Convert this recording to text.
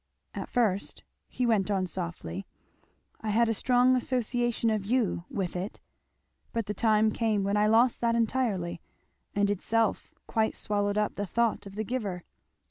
"At first," he went on softly, "I had a strong association of you with it; but the time came when I lost that entirely, and itself quite swallowed up the thought of the giver."